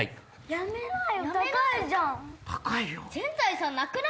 やめなよ！